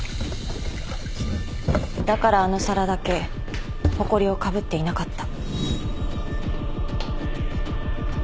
だからあの皿だけほこりをかぶっていなかった。